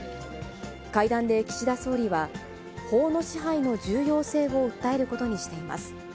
会談で岸田総理は、法の支配の重要性を訴えることにしています。